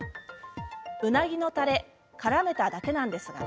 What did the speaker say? うなぎのたれからめただけなんですけど。